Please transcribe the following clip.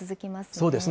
そうですね。